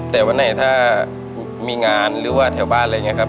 แต่วันไหนถ้ามีงานหรือว่าแถวบ้านอะไรอย่างนี้ครับ